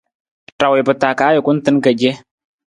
Ra wii pa taa ka ajukun tan ka ce.